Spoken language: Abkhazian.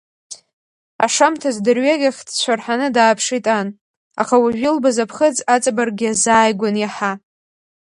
Ашамҭаз дырҩегьых дцәырҳаны дааԥшит ан, аха уажә илбаз аԥхыӡ аҵабырг иазааигәан иаҳа…